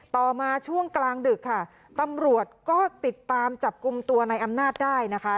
ต่อมาช่วงกลางดึกค่ะตำรวจก็ติดตามจับกลุ่มตัวในอำนาจได้นะคะ